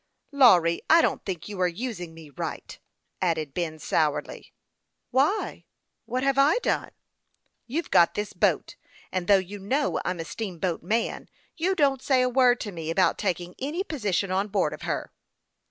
" Lawry, I don't think you are using me right," added Ben, sourly. " Why, what have I done ?"" You've got this boat, and though you know I'm a steamboat man, you don't say a word to me about taking any position on board of her."